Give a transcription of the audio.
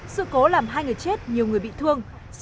sự cố làm hai người chết nhiều người bị thương